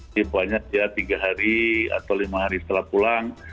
jadi pokoknya tiga hari atau lima hari setelah pulang